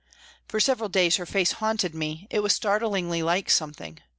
For several days her face haunted me, it was startlingly like something.